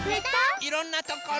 いろんなところ。